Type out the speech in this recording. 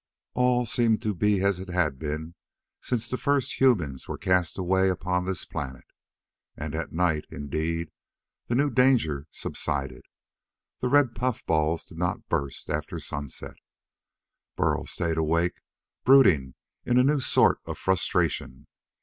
All seemed to be as it had been since the first humans were cast away upon this planet. And at night, indeed, the new danger subsided. The red puffballs did not burst after sunset. Burl sat awake, brooding in a new sort of frustration.